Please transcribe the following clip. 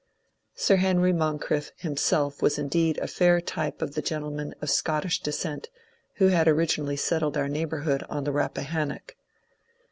Sir Henry Moncrieff himself was indeed a fair type of the gentlemen of Scottish descent who had ori ginally settled our neighbourhood on the Rappahannock.